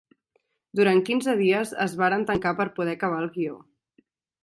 Durant quinze dies es varen tancar per poder acabar el guió.